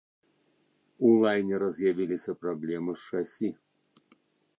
У лайнера з'явіліся праблемы з шасі.